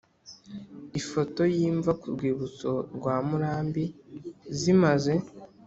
Ifoto y imva ku rwibutso rwa Murambi zimaze